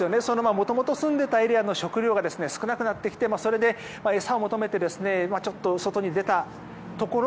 もともと住んでいたエリアの食糧が少なくなってそれで、餌を求めてちょっと、外に出たところ